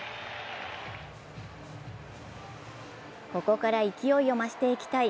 ここから勢いを増していきたい